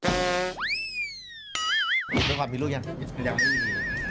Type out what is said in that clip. พี่จักรินความมีลูกยังยังไม่มี